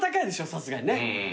さすがにね。